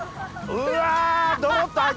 うわ！